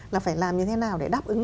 là phải làm như thế nào để đáp ứng